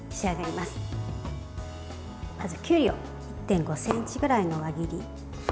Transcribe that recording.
まず、きゅうりを１．５ｃｍぐらいの輪切り。